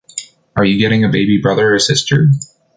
Are you getting a baby brother or sister?